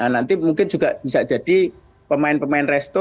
nanti mungkin juga bisa jadi pemain pemain resto